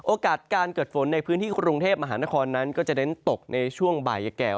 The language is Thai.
โอกาสการเกิดฝนในพื้นที่กรุงเทพมหานครนั้นก็จะเน้นตกในช่วงบ่ายแก่